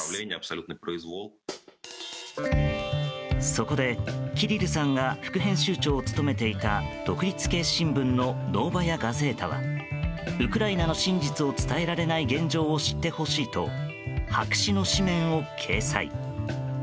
そこで、キリルさんが副編集長を務めていた独立系新聞のノーバヤ・ガゼータはウクライナの真実を伝えられない現状を知ってほしいと白紙の紙面を掲載。